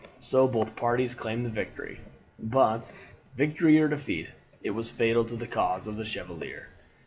So both parties claimed the victory. But, victory or defeat, it was fatal to the cause of the Chevalier.